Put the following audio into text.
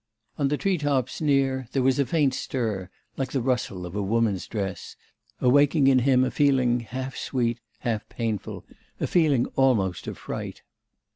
On the tree tops near there was a faint stir, like the rustle of a woman's dress, awaking in him a feeling half sweet, half painful, a feeling almost of fright.